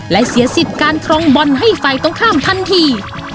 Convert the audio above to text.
และเสียสิทธิ์การครองบอลให้ฝ่ายตรงข้ามทันที